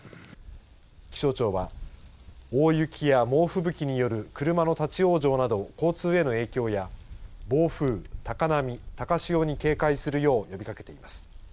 気象庁は大雪や猛吹雪による車の立往生など、交通への影響や暴風、高波、高潮に警戒するよう呼びかけています。